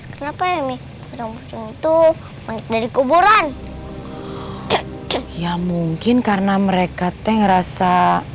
kenapa ya emi pocong pocong itu manggil dari kuburan ya mungkin karena mereka teh ngerasa